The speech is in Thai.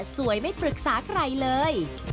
สวยไม่ปรึกษาใครเลย